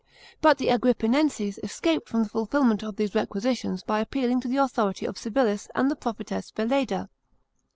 But the Agrippinenses escaped from the fulfilment of these requisitions by appealing to the authority of Civilis and the prophetess Veleda.